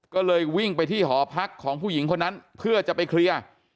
ก็เลยวิ่งไปที่หอพักของผู้หญิงคนนั้นเพื่อจะไปเคลียร์